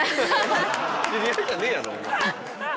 知り合いじゃねえやろお前。